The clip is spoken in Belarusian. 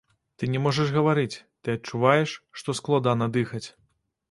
Ты не можаш гаварыць, ты адчуваеш, што складана дыхаць.